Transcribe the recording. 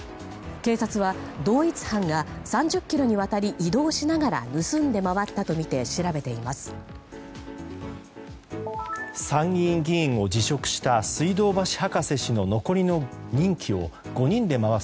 警察は同一犯が３０ｋｍにわたり移動しながら盗んで回ったとみて調べています。